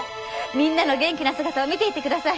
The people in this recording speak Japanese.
みんなの元気な姿を見ていってください。